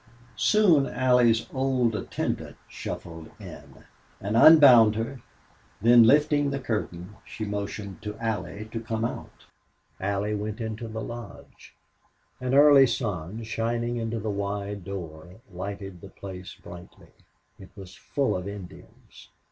Soon Allie's old attendant shuffled in, and unbound her, then, lifting the curtain she motioned to Allie to come out. Allie went into the lodge. An early sun lighted the place brightly. It was full of Indians.